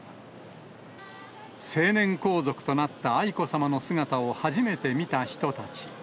成年皇族となった愛子さまの姿を初めて見た人たち。